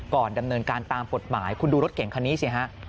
ดำเนินการตามกฎหมายคุณดูรถเก่งคันนี้สิฮะ